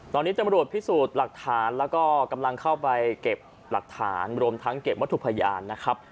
ตอนนี้ตำรวจพิสูจน์หลักฐานแล้วก็กำลังเข้าไปเก็บหลักฐานรวมทั้งเก็บวัตถุพยานนะครับ